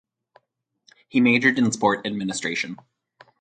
He majored in sport administration.